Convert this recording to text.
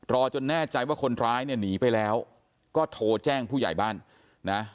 จนแน่ใจว่าคนร้ายเนี่ยหนีไปแล้วก็โทรแจ้งผู้ใหญ่บ้านนะ